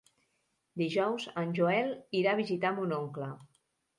Dijous en Joel irà a visitar mon oncle.